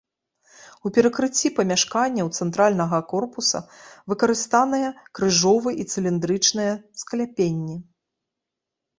У перакрыцці памяшканняў цэнтральнага корпуса выкарыстаныя крыжовы і цыліндрычныя скляпенні.